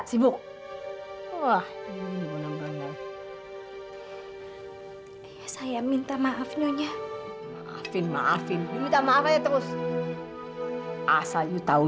sibuk wah bener bener saya minta maaf nyonya maafin maafin minta maaf aja terus asal you tahu